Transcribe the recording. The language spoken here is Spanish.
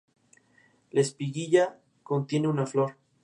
Es un excelente jugador defensivo y un gran taponador.